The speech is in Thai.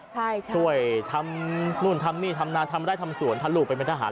ช่วยทำนู่นทำนี่ทำนานทำได้ทำสวนทำลูกไปเป็นทหาร